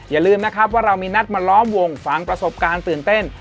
อย่าลืมนะครับว่าเรามีนัดมาล้อมวงฟังประสบการณ์ตื่นเต้น